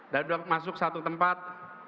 dan masuk ke satu tempat